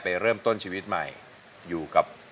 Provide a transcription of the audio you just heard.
เพลงที่๒นะครับ